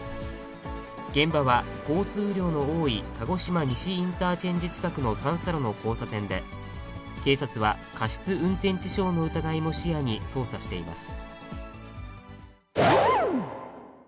現場は交通量の多い鹿児島西インターチェンジ近くの三差路の交差点で、警察は過失運転致傷の疑いも視野に、捜査しています。